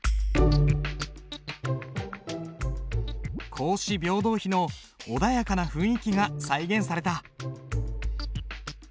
「孔子廟堂碑」の穏やかな雰囲気が再現された。